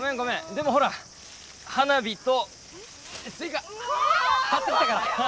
でもほら花火とスイカ買ってきたから！